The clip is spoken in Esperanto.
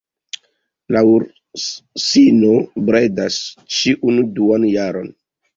La ursino bredas ĉiun duan jaron.